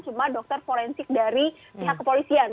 cuma dokter forensik dari pihak kepolisian